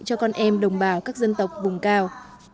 cho con em đồng bào các dân tộc vùng cao